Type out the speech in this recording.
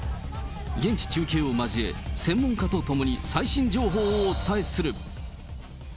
現地中継を交え、専門家と共に最新情報をお伝えする。